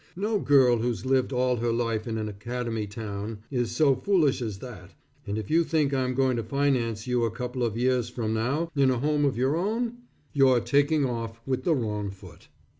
No girl who's lived all her life in an academy town is so foolish as that, and if you think I'm going to finance you a couple of years from now, in a home of your own, you're taking off with the wrong foot.